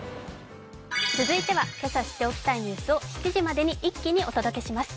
続いてはけさ知っておきたいニュースを７時までに一気にお届けします。